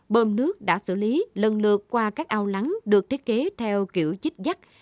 bơm nước đã xử lý lần lượt qua các ao lắng được thiết kế theo kiểu chích dắt